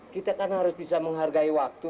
kita kan harus bisa menghargai waktu